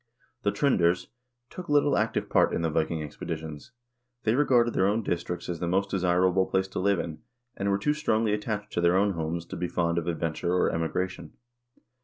The Tr0nders took little active part in the Viking expeditions. They regarded their own districts as the most desir able place to live in, and were too strongly attached to their own homes to be fond of adventure or emigration.